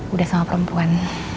udah sama perempuan